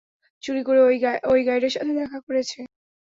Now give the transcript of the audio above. চুরি করে ঐ গাইডের সাথে দেখা করেছ।